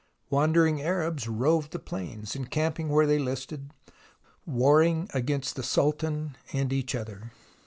Wandering Arabs roved the plains, encamping where they listed, warring against the Sultan and each other.